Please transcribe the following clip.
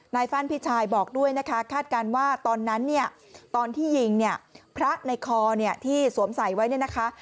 ฟ่านพี่ชายบอกด้วยนะคะคาดการณ์ว่าตอนนั้นเนี่ยตอนที่ยิงเนี่ยพระในคอเนี่ยที่สวมใส่ไว้เนี่ยนะคะ